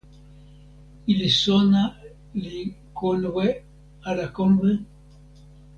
ilo sona li konwe ala konwe?